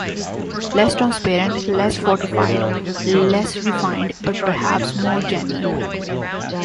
Less transparent, less fortified, less refined: but perhaps more genuine.